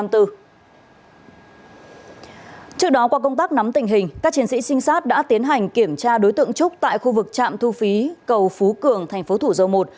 trước đó qua công tác nắm tình hình các chiến sĩ sinh sát đã tiến hành kiểm tra đối tượng trúc tại khu vực trạm thu phí cầu phú cường tp thủ dâu một